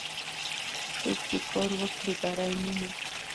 څوک چې کار وکړي، بری مومي.